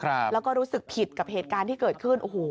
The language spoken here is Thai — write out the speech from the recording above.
แล้วก็รู้สึกผิดกับเหตุการณ์ที่เกิดขึ้นโอ้โห